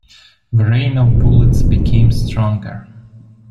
The rain of bullets became stronger.